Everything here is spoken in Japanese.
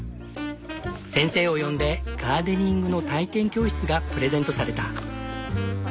先生を呼んでガーデニングの体験教室がプレゼントされた。